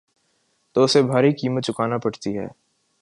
تو اسے بھاری قیمت چکانا پڑتی ہے۔